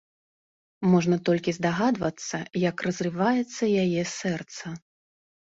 Можна толькі здагадвацца, як разрываецца яе сэрца.